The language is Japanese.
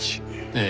ええ。